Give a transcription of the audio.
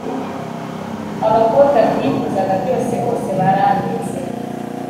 abakobwa twifuzaga byose, bose baranditse